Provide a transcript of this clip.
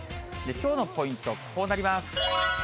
きょうのポイント、こうなります。